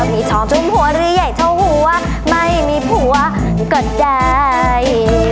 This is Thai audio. มีชอบทุ่มหัวหรือใหญ่เท่าหัวไม่มีผัวก็ได้